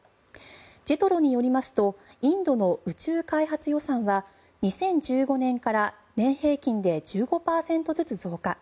ＪＥＴＲＯによりますとインドの宇宙開発予算は２０１５年から年平均で１５％ずつ増加。